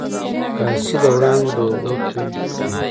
کاسي د و ړانګو د اوبو توی کړي